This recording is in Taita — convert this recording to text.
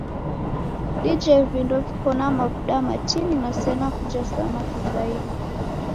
Dije vindo viko na mavuda matini na sena kuja samaki zaidi.